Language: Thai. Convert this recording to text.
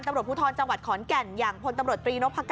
ตำรวจภูทรจังหวัดขอนแก่นอย่างพลตำรวจตรีนพกา